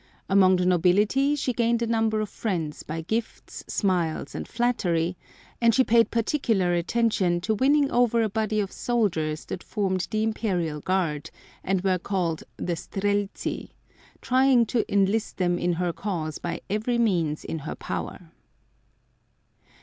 Among the nobility she gained a number of friends by gifts, smiles and flattery, and she paid particular attention to winning over a body of soldiers that formed the Imperial Guard, and were called the Streltsi, trying to enlist them in her cause by every means in her power.